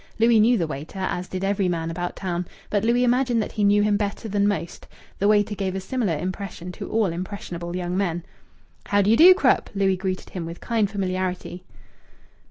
Louis knew the waiter, as did every man about town; but Louis imagined that he knew him better than most; the waiter gave a similar impression to all impressionable young men. "How do you do, Krupp!" Louis greeted him, with kind familiarity.